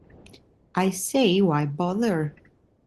I say, why bother?